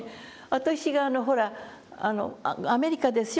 私がほらアメリカですよ